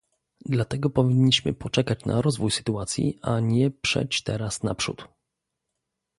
Dlatego powinniśmy poczekać na rozwój sytuacji, a nie przeć teraz naprzód